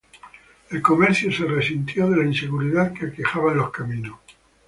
El comercio se resintió de la inseguridad que aquejaba los caminos.